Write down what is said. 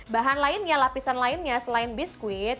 bahan lainnya lapisan lainnya selain biskuit